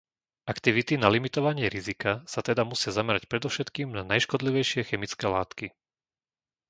Aktivity na limitovanie rizika sa teda musia zamerať predovšetkým na najškodlivejšie chemické látky.